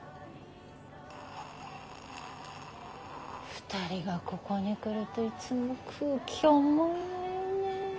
２人がここに来るといつも空気重いわよね。